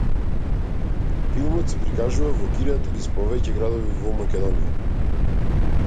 Филмот се прикажува во кината низ повеќе градови во Македонија.